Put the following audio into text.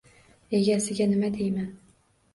Egasiga nima deyman!